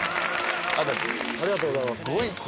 ありがとうございます。